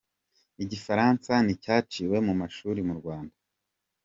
Igifaransa nticyaciwe mu mashuri mu Rwanda